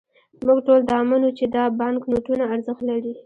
موږ ټول دا منو، چې دا بانکنوټونه ارزښت لري.